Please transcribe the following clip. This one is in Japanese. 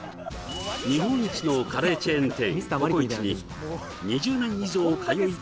日本一のカレーチェーン店